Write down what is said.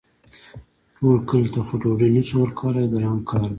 ټول کلي ته خو ډوډۍ نه شو ورکولی ګران کار دی.